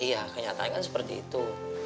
iya kenyataannya seperti itu